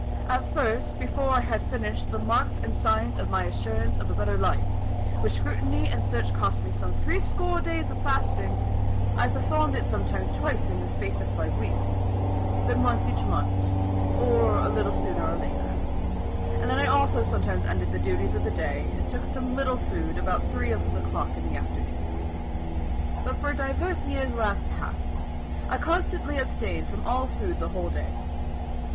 At first, before I had finished the marks and signs of my assurance of a better life, which scrutiny and search cost me some three score days of fasting, I performed it sometimes twice in the space of five weeks, then once each month, or a little sooner or later, and then also I sometimes ended the duties of the day, and took some little food about three of the clock in the afternoon. But for divers years last past, I constantly abstained from all food the whole day.